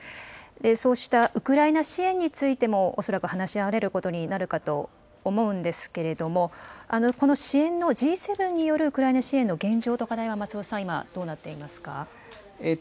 そうしたウクライナ支援についても、恐らく話し合われることになるかと思うんですけれども、この支援のＧ７によるウクライナ支援の現状と課題は、松尾さん、今、どうなっていますか。